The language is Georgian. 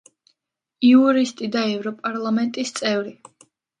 იურისტი და ევროპარლამენტის წევრი.